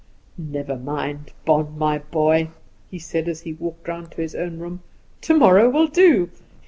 "Never mind, Bon, my boy," he said, as he walked round to his own room, "tomorrow will do.